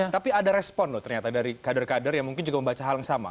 tapi ada respon loh ternyata dari kader kader yang mungkin juga membaca hal yang sama